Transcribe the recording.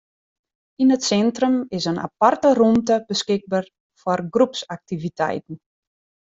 Yn it sintrum is in aparte rûmte beskikber foar groepsaktiviteiten.